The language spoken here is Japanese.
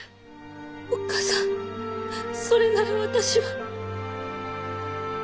おっ母さんそれなら私は。